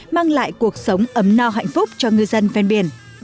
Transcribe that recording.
mang lại cuộc sống ấm no hạnh phúc cho ngư dân ven biển